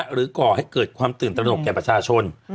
ก่อให้เกิดความตื่นตระหนกแก่ประชาชน